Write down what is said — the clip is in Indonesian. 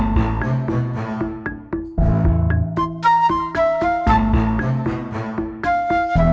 jahat yang sangat keren